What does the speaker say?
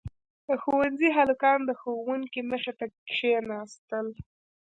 • د ښونځي هلکان د ښوونکي مخې ته کښېناستل.